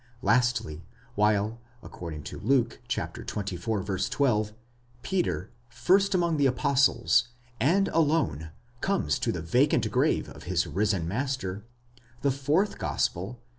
Lastly, while, according to Luke (xxiv. 12), Peter, first among the apostles, and alone, comes to the vacant grave of his risen master, the fourth gospel (xx.